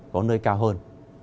có nơi cao hơn